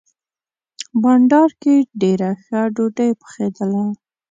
بانډار کې ډېره ښه ډوډۍ پخېدله.